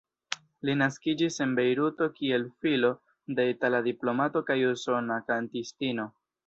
Li naskiĝis en Bejruto kiel filo de itala diplomato kaj usona kantistino.